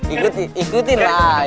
ikutin ikutin lah